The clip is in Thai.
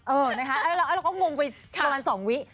เออนะคะแล้วเราก็งงไปประมาณสองวิ